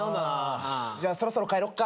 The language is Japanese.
じゃあそろそろ帰ろっか。